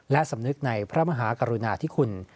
และสำนึกในพระมหากรุณาธิคุณ